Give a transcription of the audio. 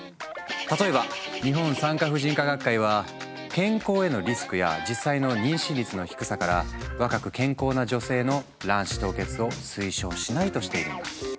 例えば日本産科婦人科学会は健康へのリスクや実際の妊娠率の低さから若く健康な女性の卵子凍結を推奨しないとしているんだ。